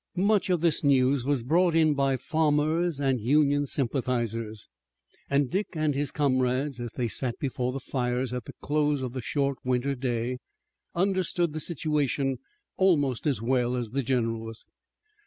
Much of this news was brought in by farmers, Union sympathizers, and Dick and his comrades, as they sat before the fires at the close of the short winter day, understood the situation almost as well as the generals.